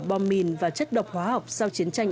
bom mìn và chất độc hóa học sau chiến tranh